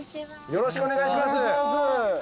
よろしくお願いします。